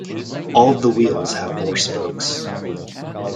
All of the wheels have four spokes.